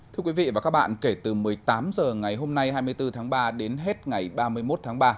thưa quý vị và các bạn kể từ một mươi tám h ngày hôm nay hai mươi bốn tháng ba đến hết ngày ba mươi một tháng ba